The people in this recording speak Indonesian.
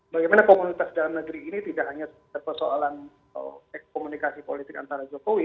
bagaimana komunitas dalam negeri ini tidak hanya persoalan komunikasi politik antara jokowi